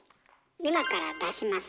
今から出します